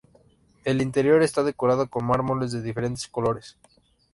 El interior está decorado con mármoles de diferentes colores.